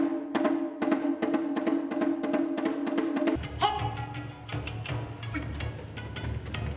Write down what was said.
はっ！